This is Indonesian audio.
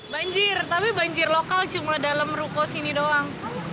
banjir tapi banjir lokal cuma dalam ruko sini doang